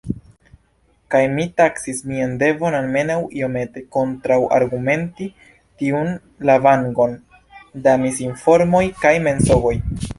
Kaj mi taksis mian devon almenaŭ iomete kontraŭargumenti tiun lavangon da misinformoj kaj mensogoj.